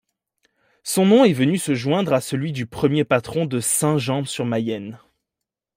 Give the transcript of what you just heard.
Son nom est venu se joindre à celui du premier patron de Saint-Jean-sur-Mayenne.